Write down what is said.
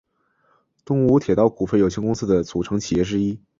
东武铁道股份有限公司的组成企业之一。